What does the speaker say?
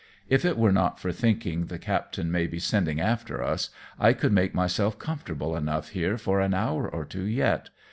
If it were not for thinking the captain may be sending after us, I could make myself comfortable enough here for an hour or two yet.